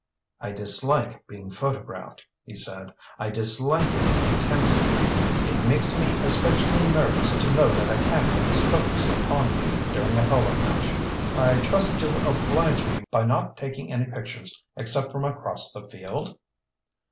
"I dislike being photographed," he said. "I dislike it intensely. It makes me especially nervous to know that a camera is focused upon me during a polo match. I trust you'll oblige me by not taking any pictures except from across the field?"